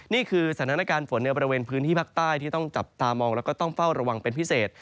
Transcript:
นี่คือสถานการณ์ฝนในบริเวณพื้นที่ภาคใต้ที่ต้องจับตามองแล้วก็ต้องเฝ้าระวังเป็นพิเศษ